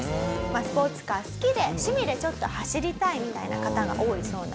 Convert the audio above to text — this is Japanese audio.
スポーツカー好きで趣味でちょっと走りたいみたいな方が多いそうなんですね。